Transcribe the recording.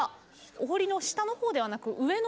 お堀の下の方ではなく上の石垣。